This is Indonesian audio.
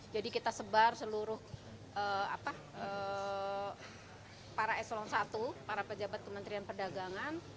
jadi kita sebar seluruh para eselon satu para pejabat kementerian perdagangan